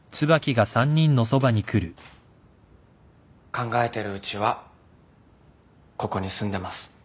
考えてるうちはここに住んでます。